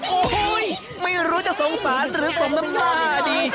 โอ้โฮไม่รู้จะสงสันหรือสนุน่าดี